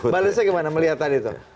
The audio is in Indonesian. balesnya gimana melihatnya itu